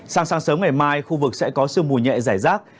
sang sáng sớm ngày mai khu vực sẽ có sương mù nhẹ giải rác